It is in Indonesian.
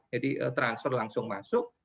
jadi transfer langsung masuk